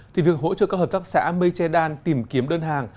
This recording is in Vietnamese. thì việc hỗ trợ các hợp tác xã mây che đan tìm kiếm đơn hàng